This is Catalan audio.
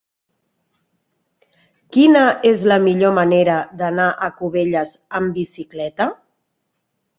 Quina és la millor manera d'anar a Cubelles amb bicicleta?